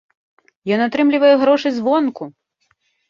Ён атрымлівае грошы звонку!